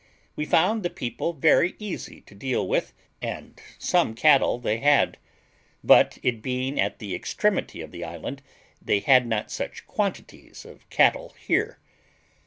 We found the people very easy to deal with, and some cattle they had; but it being at the extremity of the island, they had not such quantities of cattle here.